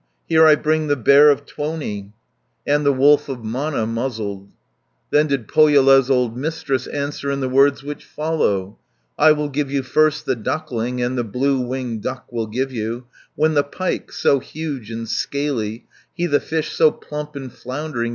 Here I bring the Bear of Tuoni, And the Wolf of Mana muzzled." 150 Then did Pohjola's old Mistress Answer in the words which follow: "I will give you first the duckling, And the blue winged duck will give you, When the pike, so huge and scaly, He the fish so plump and floundering.